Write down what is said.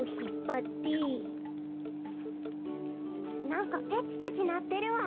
なんかペチペチなってるわ。